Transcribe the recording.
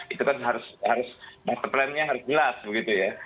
itu kan harus master plan nya harus jelas begitu ya